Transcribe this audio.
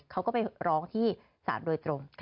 เขาก็ไปร้องที่ศาลโดยตรง